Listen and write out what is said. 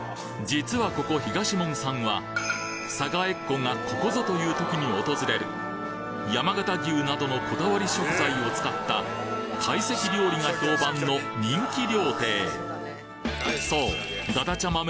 実はここ東門さんは寒河江っ子がここぞという時に訪れる山形牛などのこだわり食材を使った懐石料理が評判の人気料亭そうだだちゃ